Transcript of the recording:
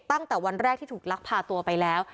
ตั้งแต่วันแรกที่ถูกลักพาตัวไปแล้ว